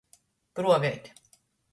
Pruoveit.